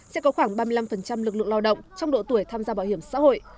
sẽ có khoảng ba mươi năm lực lượng lao động trong độ tuổi tham gia bảo hiểm xã hội